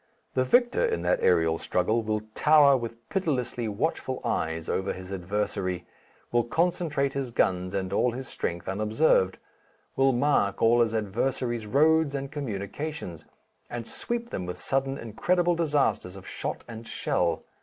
The victor in that aerial struggle will tower with pitilessly watchful eyes over his adversary, will concentrate his guns and all his strength unobserved, will mark all his adversary's roads and communications, and sweep them with sudden incredible disasters of shot and shell.